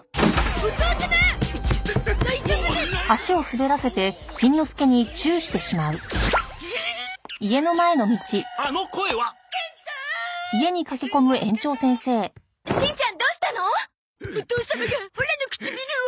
お義父様がオラの唇を！